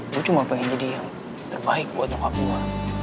gue cuma pengen jadi yang terbaik buat nyokap gue